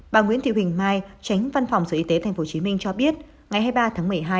bà nguyễn thị huỳnh mai tránh văn phòng sở y tế tp hcm cho biết ngày hai mươi ba tháng một mươi hai